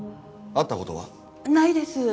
会った事は？ないです。